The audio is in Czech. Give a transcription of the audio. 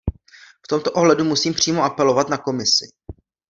V tomto ohledu musím přímo apelovat na Komisi.